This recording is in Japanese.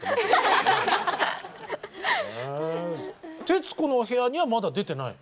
「徹子の部屋」にはまだ出てない？